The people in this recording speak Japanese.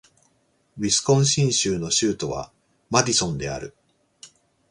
ウィスコンシン州の州都はマディソンである